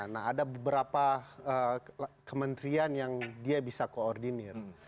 nah ada beberapa kementerian yang dia bisa koordinir